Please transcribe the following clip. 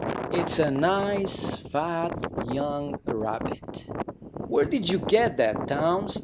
"It's a nice fat young rabbit." "Where did you get that, Townes?"